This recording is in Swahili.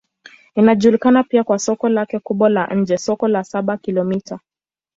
Inajulikana pia kwa soko lake kubwa la nje, Soko la Saba-Kilomita.